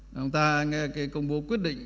người ta nghe cái công bố quyết định